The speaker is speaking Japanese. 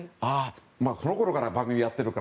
このころから番組をやっているから。